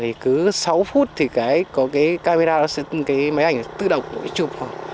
thì cứ sáu phút thì cái có cái camera cái máy ảnh tự động chụp